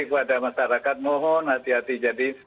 kepada masyarakat mohon hati hati jadi